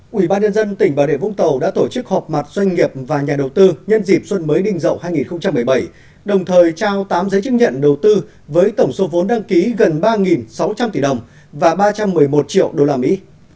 quỹ ban nhân dân tỉnh bà rịa vũng tàu đã tổ chức họp mặt doanh nghiệp và nhà đầu tư nhân dịp xuân mới đình dậu hai nghìn một mươi bảy đồng thời trao tám giấy chứng nhận đầu tư với tổng số vốn đăng ký gần ba sáu trăm linh tỷ đồng và ba trăm một mươi một triệu đô la mỹ